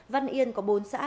văn yên có bốn xã